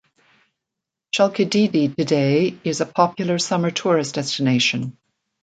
Chalkidiki today is a popular summer tourist destination.